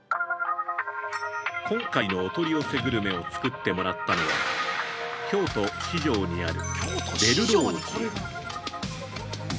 今回のお取り寄せグルメを作ってもらったのは、京都・四条にあるベルロオジエ。